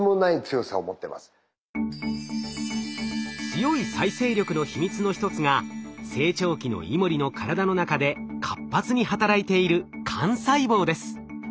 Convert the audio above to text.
強い再生力の秘密の一つが成長期のイモリの体の中で活発に働いている幹細胞です。